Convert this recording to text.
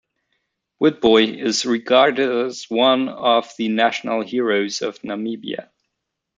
Witbooi is regarded as one of the national heroes of Namibia.